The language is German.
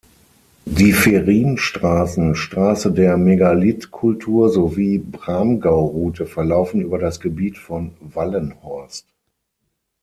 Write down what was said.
Die Ferienstraßen Straße der Megalithkultur sowie Bramgau-Route verlaufen über das Gebiet von Wallenhorst.